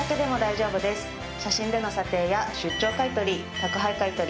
写真での査定や出張買取宅配買取